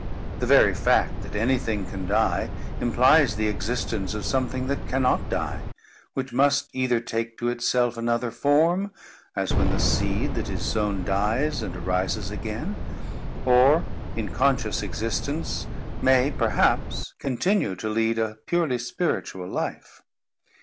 The very fact that anything can die, implies the existence of something that cannot die; which must either take to itself another form, as when the seed that is sown dies, and arises again; or, in conscious existence, may, perhaps, continue to lead a purely spiritual life.